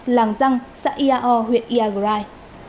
làng răng xã iao huyện iagrai